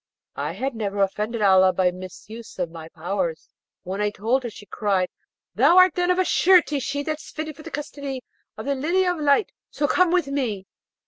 I had never offended Allah by a misuse of my powers. When I told her, she cried, 'Thou art then of a surety she that's fitted for the custody of the Lily of the Light, so come with me.'